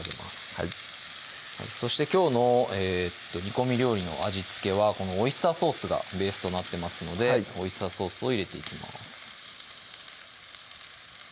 はいそしてきょうの煮込み料理の味付けはこのオイスターソースがベースとなってますのでオイスターソースを入れていきます